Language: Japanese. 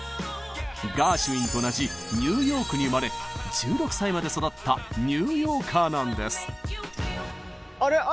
ガーシュウィンと同じニューヨークに生まれ１６歳まで育ったニューヨーカーなんです！